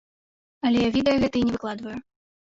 Але я відэа гэтыя не выкладваю.